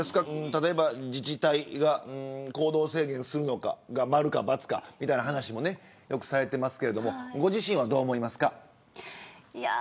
例えば自治体が行動制限するのが丸かバツかみたいな話もよくされていますけれどご自身はどう思いますか。